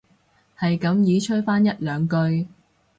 係咁依吹返一兩句